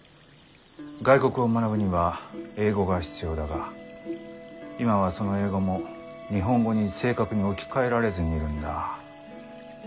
外国を学ぶには英語が必要だが今はその英語も日本語に正確に置き換えられずにいるんだ。